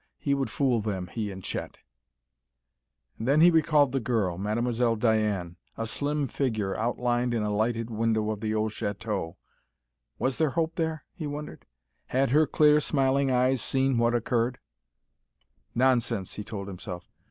He would fool them, he and Chet. And then he recalled the girl, Mademoiselle Diane, a slim figure outlined in a lighted window of the old chateau. Was there hope there? he wondered. Had her clear, smiling eyes seen what occurred? "Nonsense," he told himself.